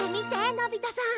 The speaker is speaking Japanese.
のび太さん。